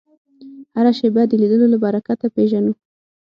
هره شېبه د لیدلو له برکته پېژنو